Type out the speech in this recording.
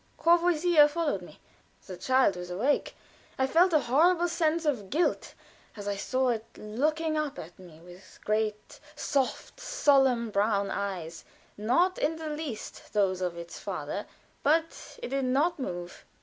Courvoisier followed me. The child was awake. I felt a horrible sense of guilt as I saw it looking at me with great, soft, solemn, brown eyes, not in the least those of its father, but it did not move.